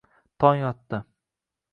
Tong otdi –